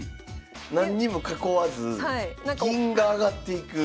何にも囲わず銀が上がっていく。